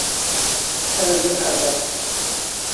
Ew ê bibehece.